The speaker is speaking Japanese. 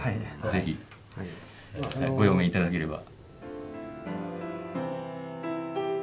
是非ご用命頂ければ。